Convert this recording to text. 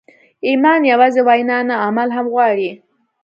ایمان یوازې وینا نه، عمل هم غواړي.